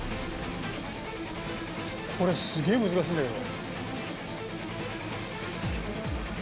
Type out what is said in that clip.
これすげえ難しいんだけど。